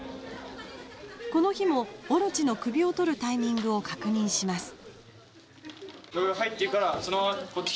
この日も大蛇の首を取るタイミングを確認します。